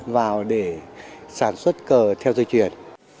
vào để sản xuất cờ theo dây chuyển